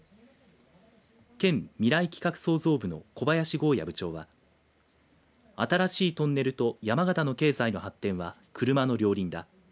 県みらい企画創造部の小林剛也部長は新しいトンネルと山形の経済の発展は車の両輪だ。